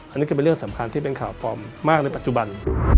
อันนี้คือเป็นเรื่องสำคัญที่เป็นข่าวปลอมมากในปัจจุบัน